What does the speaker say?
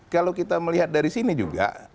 kalau kita melihat dari sini juga